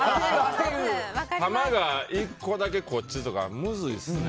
球が１個だけこっちとかむずいっすね。